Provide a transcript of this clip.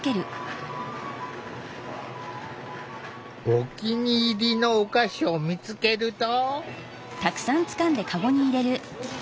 お気に入りのお菓子を見つけると。